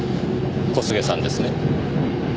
小菅さんですね。